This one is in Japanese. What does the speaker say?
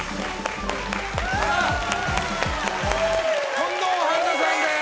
近藤春菜さんです！